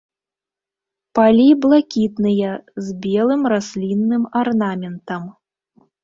Палі блакітныя з белым раслінным арнаментам.